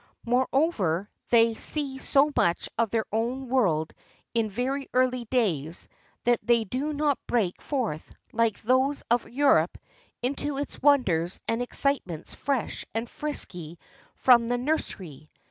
Moreover they see so much of their own world in very early days that they do not break forth, like those of Europe, into its wonders and excitements fresh and frisky from the nursery.